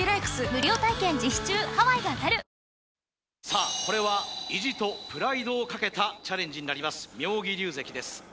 さあこれは意地とプライドをかけたチャレンジになります妙義龍関です